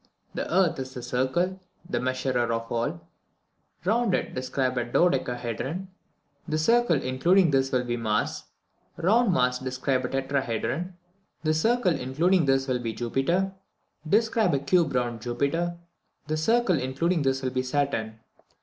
"The Earth is the circle, the measurer of all. Round it describe a dodecahedron; the circle including this will be Mars. Round Mars describe a tetrahedron; the circle including this will be Jupiter. Describe a cube round Jupiter; the circle including this will be Saturn.